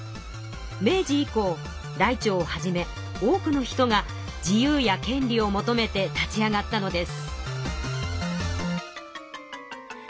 明治以降らいてうをはじめ多くの人が自由や権利を求めて立ち上がったのです。